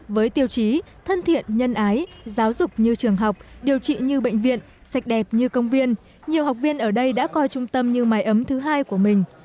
với tiêu chí thân thiện nhân ái giáo dục như trường học điều trị như bệnh viện sạch đẹp như công viên nhiều học viên ở đây đã coi trung tâm như mái ấm thứ hai của mình